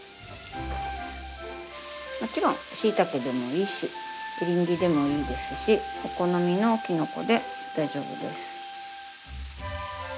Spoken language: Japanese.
もちろんしいたけでもいいしエリンギでもいいですしお好みのきのこで大丈夫です。